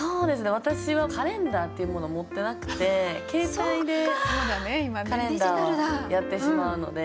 私はカレンダーっていうものを持ってなくて携帯でカレンダーをやってしまうので。